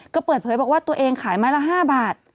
ก็เปิดเผยบอกว่าตัวเองขายไม้ละ๕บาท